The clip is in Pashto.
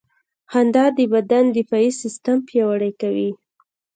• خندا د بدن دفاعي سیستم پیاوړی کوي.